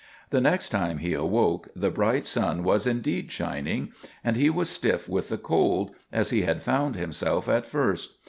The next time he awoke, the bright sun was indeed shining, and he was stiff with the cold, as he had found himself at first.